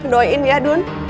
doain ya dun